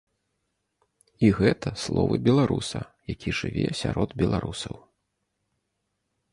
І гэта словы беларуса, які жыве сярод беларусаў.